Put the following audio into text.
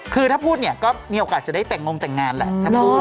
คือถ้าพูดเนี่ยก็มีโอกาสจะได้แต่งงแต่งงานแหละถ้าพูด